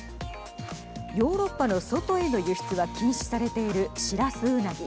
ヨーロッパの外への輸出は禁止されているシラスウナギ。